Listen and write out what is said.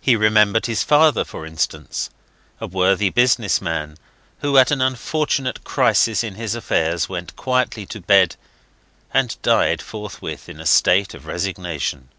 He remembered his father, for instance: a worthy business man, who at an unfortunate crisis in his affairs went quietly to bed and died forthwith in a state of resignation.